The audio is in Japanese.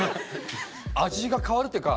味が変わるっていうか